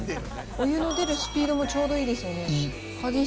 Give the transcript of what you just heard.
お湯の出るスピードも、ちょうどいいですよね。